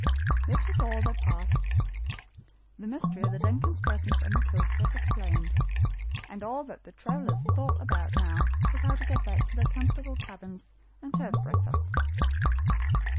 This was all that passed. The mystery of the DUNCAN'S presence on the coast was explained, and all that the travelers thought about now was to get back to their comfortable cabins, and to have breakfast.